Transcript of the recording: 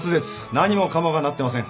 何もかもがなってません！